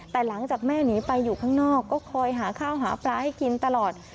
แต่หลังจากแม่หนีไปอยู่ข้างนอกก็คอยหาข้าวหาปลาให้กินตลอด